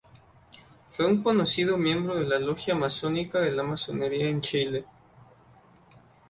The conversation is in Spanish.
Fue un conocido miembro de la Logia masónica de la Masonería en Chile.